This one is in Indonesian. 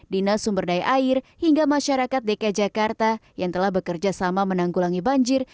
dinas sumber daya air hingga masyarakat dki jakarta yang telah bekerja sama menanggulangi banjir